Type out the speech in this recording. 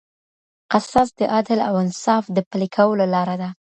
قصاص د عدل او انصاف د پلي کولو لاره ده.